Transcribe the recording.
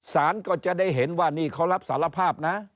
สารก็จะได้เห็นว่านี่เขารับสารภาพนะ